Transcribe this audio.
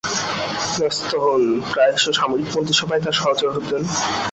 ন্যস্ত হন, প্রায়শই সামরিক মন্ত্রিসভায় তার সহচর হতেন।